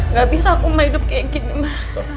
nggak bisa aku hidup kayak gini ma